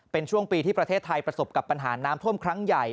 เป็นช่วงปีที่ประเทศไทยประสบกับปัญหาน้ำท่วมครั้งใหญ่